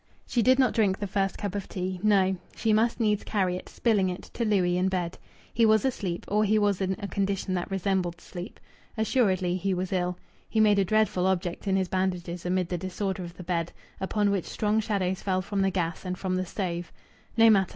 She did not drink the first cup of tea. No! She must needs carry it, spilling it, to Louis in bed. He was asleep, or he was in a condition that resembled sleep. Assuredly he was ill. He made a dreadful object in his bandages amid the disorder of the bed, upon which strong shadows fell from the gas and from the stove. No matter!